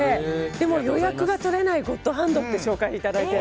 でも予約が取れないゴッドハンドと紹介していただいて。